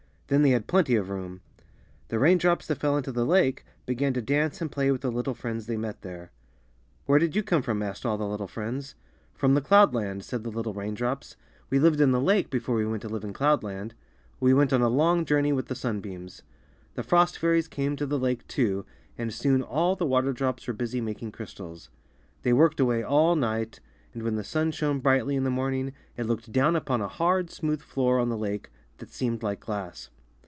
Then they had plenty of room. The rain drops that fell into the lake began to dance and play with the little friends they met there. FROST FAIRIES AND THE WATER DROPS. 25 ^^Where did you come from?'' asked all the little friends. ^Trom the cloud land," said the little rain drops. lived in the lake before we went to live in cloud land.. We went on a long journey with the sunbeams." The frost fairies came to the lake, too, and soon all the water drops were busy making crystals. They worked away all night, and when the sun shone brightly in the morning, it looked down upon a hard, smooth floor on the lake, that seemed like glass.